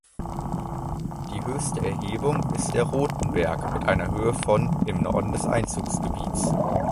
Die höchste Erhebung ist der "Rothenberg" mit einer Höhe vom im Norden des Einzugsgebiets.